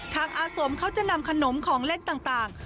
อาสมเขาจะนำขนมของเล่นต่าง